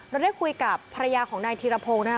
เราได้คุยกับภรรยาของนายธีรพงศ์นะคะ